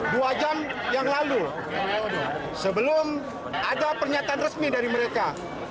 dua jam yang lalu sebelum ada pernyataan resmi dari mereka